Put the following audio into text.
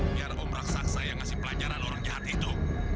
biar aku meraksasa yang ngasih pelajaran orang jahat itu